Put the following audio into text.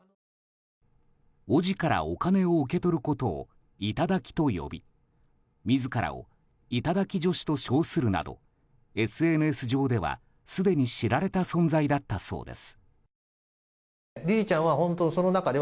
おぢからお金を受け取ることを頂きと呼び自らを頂き女子と称するなどＳＮＳ上ではすでに知られた存在だったそうです。